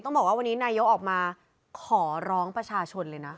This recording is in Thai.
บอกว่าวันนี้นายกออกมาขอร้องประชาชนเลยนะ